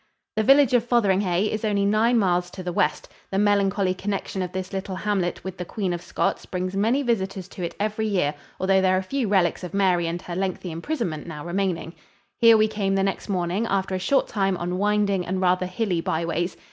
The village of Fotheringhay is only nine miles to the west. The melancholy connection of this little hamlet with the Queen of Scots brings many visitors to it every year, although there are few relics of Mary and her lengthy imprisonment now remaining. Here we came the next morning after a short time on winding and rather hilly byways.